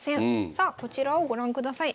さあこちらをご覧ください。